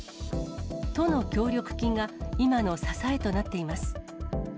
都の協力金が今の支えとなっています。